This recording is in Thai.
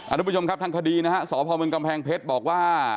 ทุกผู้ชมครับทางคดีนะฮะสพเมืองกำแพงเพชรบอกว่า